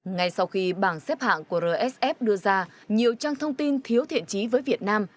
ngay sau khi bảng xếp hạng của rsf đưa ra nhiều trang thông tin thiếu thiện trí với việt nam